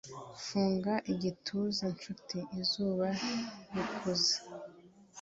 gufunga igituza-nshuti izuba rikuze;